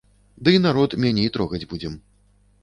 Дый народ меней торгаць будзем.